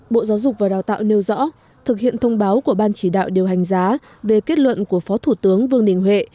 bộ giáo dục và đào tạo nêu rõ thực hiện thông báo của ban chỉ đạo điều hành giá về kết luận của phó thủ tướng vương đình huệ